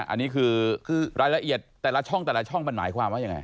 อันนี้คือรายละเอียดแต่ละช่องแต่ละช่องมันหมายความว่ายังไง